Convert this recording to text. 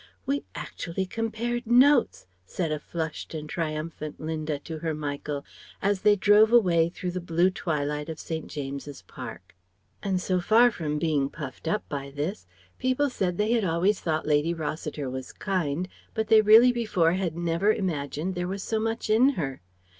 "We actually compared notes!" said a flushed and triumphant Linda to her Michael, as they drove away through the blue twilight of St. James's Park. And so far from being puffed up by this, people said they had always thought Lady Rossiter was kind, but they really before had never imagined there was so much in her.